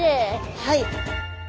はい。